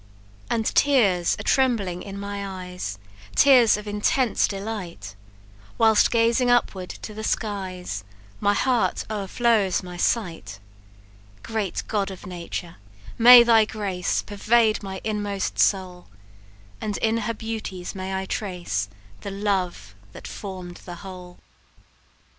"And tears are trembling in my eyes, Tears of intense delight; Whilst gazing upward to the skies, My heart o'erflows my sight. Great God of nature! may thy grace Pervade my inmost soul; And in her beauties may I trace The love that form'd the whole!"